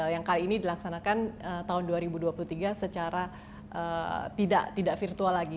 yang kali ini dilaksanakan tahun dua ribu dua puluh tiga secara tidak virtual lagi